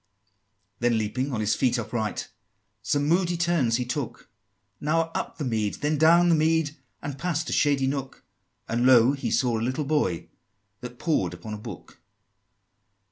VII. Then leaping on his feet upright, Some moody turns he took, Now up the mead, then down the mead, And past a shady nook, And, lo! he saw a little boy That pored upon a book!